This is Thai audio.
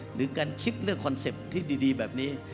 หรือการคิดเรื่องคอนเซ็ปต์ที่ดีแบบนี้